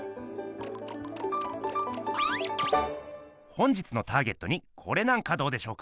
本日のターゲットにこれなんかどうでしょうか？